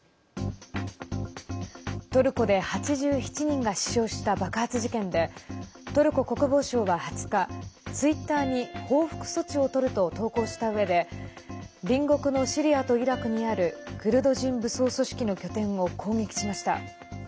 トルコで８７人が死傷した爆発事件でトルコ国防省は２０日ツイッターに報復措置をとると投稿したうえで隣国のシリアとイラクにあるクルド人武装組織の拠点を攻撃しました。